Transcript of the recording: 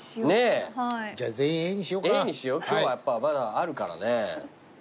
今日はやっぱまだあるからね。